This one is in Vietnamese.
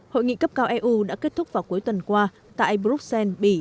hội nghị cấp cao eu đã kết thúc vào cuối tuần qua tại bruxelles bỉ